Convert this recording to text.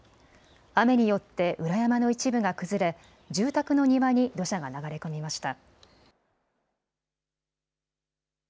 雨によって裏山の一部が崩れ、住宅の庭に土砂が流れ込みました。